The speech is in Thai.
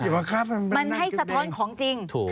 มันให้สะท้อนของจริง